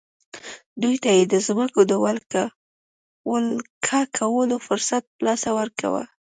دوی ته یې د ځمکو د ولکه کولو فرصت په لاس ورکاوه.